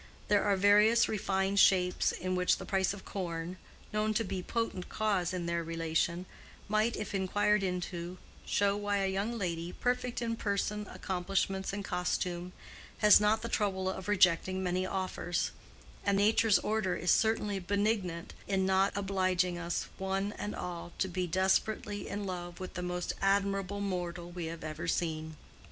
There are various refined shapes in which the price of corn, known to be potent cause in their relation, might, if inquired into, show why a young lady, perfect in person, accomplishments, and costume, has not the trouble of rejecting many offers; and nature's order is certainly benignant in not obliging us one and all to be desperately in love with the most admirable mortal we have ever seen.